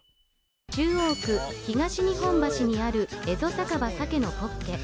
中央区東日本橋にある蝦夷酒場さけのほっけ。